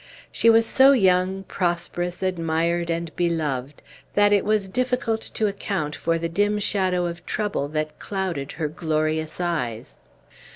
She was so young, prosperous, admired, and beloved, that it was difficult to account for the dim shadow of trouble that clouded her glorious eyes.